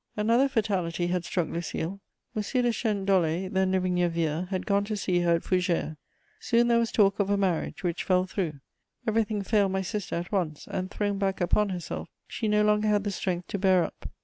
Another fatality had struck Lucile: M. de Chênedollé, then living near Vire, had gone to see her at Fougères; soon there was talk of a marriage, which fell through. Everything failed my sister at once, and, thrown back upon herself, she no longer had the strength to bear up.